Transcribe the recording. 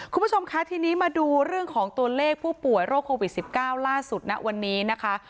คุณผู้ชมคะทีนี้มาดูเรื่องของตัวเลขผู้ป่วยโรคโควิด๑๙ล่าสุดณวันนี้นะคะ